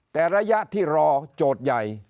แต่ระยะที่รอโจทย์ใหญ่